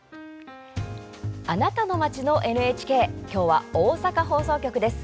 「あなたの街のＮＨＫ」今日は大阪放送局です。